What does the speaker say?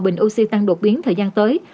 bình oxy tăng đột biến thời gian tới